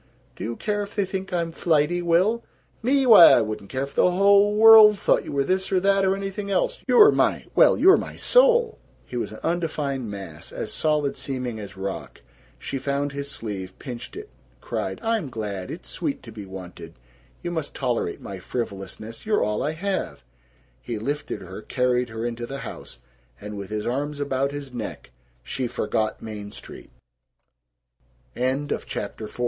"Do you care if they think I'm flighty, Will?" "Me? Why, I wouldn't care if the whole world thought you were this or that or anything else. You're my well, you're my soul!" He was an undefined mass, as solid seeming as rock. She found his sleeve, pinched it, cried, "I'm glad! It's sweet to be wanted! You must tolerate my frivolousness. You're all I have!" He lifted her, carried her into the house, and with her arms about his neck she forgot Main Street. CHAPTER V I "WE'LL steal the whole day, and go hunting.